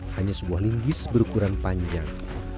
hanya sebuah linggis berukuran panjang